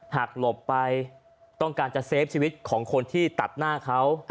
หลบไปต้องการจะเซฟชีวิตของคนที่ตัดหน้าเขา